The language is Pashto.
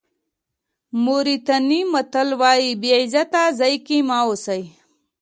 موریتاني متل وایي بې عزته ځای کې مه اوسئ.